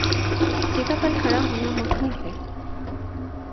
جگہ پر کھڑا ہونا مکروہ ہے۔